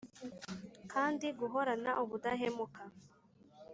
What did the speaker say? kandi guhorana ubudahemuka